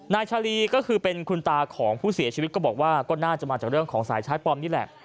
ชาลีก็คือเป็นคุณตาของผู้เสียชีวิตก็บอกว่าก็น่าจะมาจากเรื่องของสายชายปลอมนี่แหละ